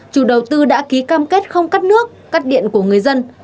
chủ đầu tư đã ký cam kết không cắt nước cắt điện của người dân